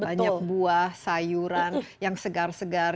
banyak buah sayuran yang segar segar